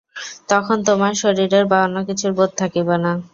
তখন তোমার শরীরের বা অন্য কিছুর বোধ থাকিবে না।